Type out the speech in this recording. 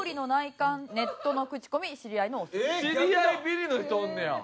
知り合いビリの人おんのや。